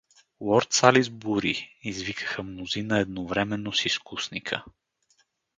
— Лорд Сализбури! — извикаха мнозина едновременно с изкусника.